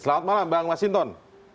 selamat malam bang masinton